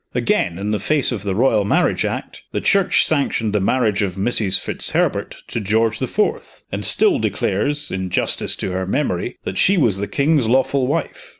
Again, in the face of the Royal Marriage Act, the Church sanctioned the marriage of Mrs. Fitzherbert to George the Fourth, and still declares, in justice to her memory, that she was the king's lawful wife.